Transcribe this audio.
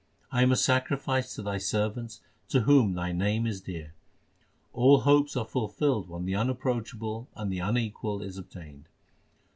I am a sacrifice to Thy servants to whom Thy name is dear. All hopes are fulfilled when the Unapproachable and the Unequalled is obtained.